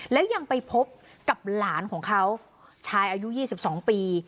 แล้วยังไปพบกับหลานของเขาชายอายุ๒๒ปี